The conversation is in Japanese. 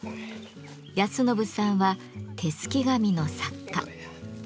泰宣さんは手すき紙の作家。